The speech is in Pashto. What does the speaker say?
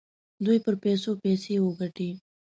دوی پر پیسو پیسې وګټي.